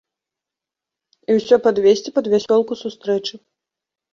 І ўсё падвесці пад вясёлку сустрэчы.